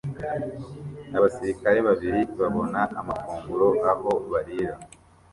Abasirikare babiri babona amafunguro aho barira